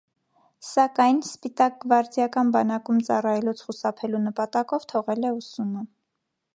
Սակայն սպիտակգվարդիական բանակում ծառայելուց խուսափելու նպատակով թողել է ուսումը։